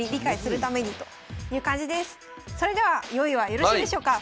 それでは用意はよろしいでしょうか？